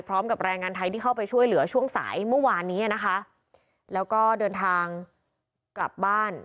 พร้อมกับแรงงานไทยที่เข้าไปช่วยเหลือช่วงสายเมื่อวานนี้นะคะแล้วก็เดินทางกลับบ้าน